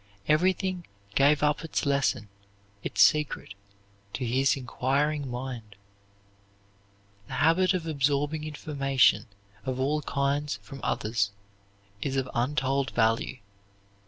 Everything gave up its lesson, its secret, to his inquiring mind. The habit of absorbing information of all kinds from others is of untold value.